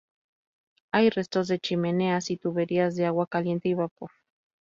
Hay restos de chimeneas y tuberías de agua caliente y vapor.